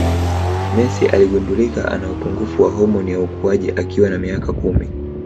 Messi aligundulika ana upungufu wa homoni ya ukuaji akiwa na miaka kumi